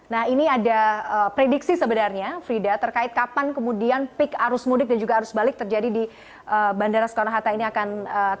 nah ini ada prediksi sebenarnya frida terkait kapan kemudian peak arus mudik dan juga arus balik terjadi di bandara soekarno hatta ini akan terjadi